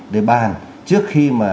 để bàn trước khi mà